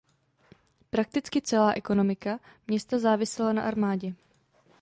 Prakticky celá ekonomika města závisela na armádě.